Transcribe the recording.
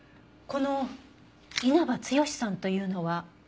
この稲葉剛さんというのは？